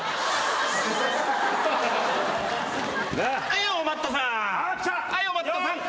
はい。